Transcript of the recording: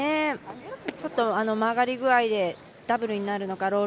ちょっと曲がり具合でダブルになるのか